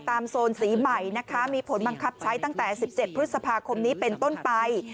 โซนสีใหม่นะคะมีผลบังคับใช้ตั้งแต่๑๗พฤษภาคมนี้เป็นต้นไป